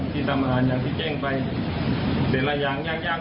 ที่ทำอาหารอย่างที่แจ้งไปเดี๋ยวอะไรอย่างยากตรงนั้น